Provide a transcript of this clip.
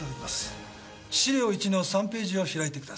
資料１の３ページを開いてください。